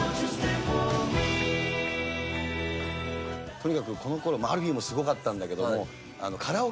とにかくこの頃アルフィーもすごかったんだけども。